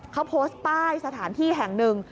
เขาโพสต์ป้ายสถานที่แห่งหนึ่ง